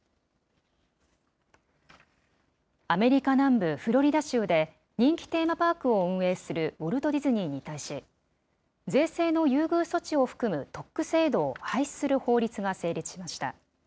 アメリカ南部フロリダ州で、人気テーマパークを運営するウォルト・ディズニーに対し、税制の優遇措置を含む特区制度を廃止する法律が成立しました。